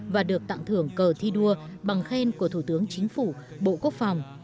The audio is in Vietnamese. và được tặng thưởng cờ thi đua bằng khen của thủ tướng chính phủ bộ quốc phòng